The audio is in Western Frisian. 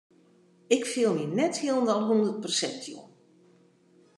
Ik fiel my net hielendal hûndert persint jûn.